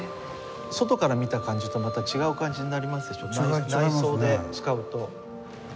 外から見た感じとまた違う感じになりますでしょ。